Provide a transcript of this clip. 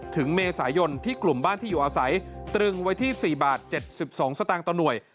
ถึงเมษายนที่กลุ่มบ้านที่อยู่อาศัยตรึงไว้ที่๔บาท๗๒สตางค์ต่อหน่วย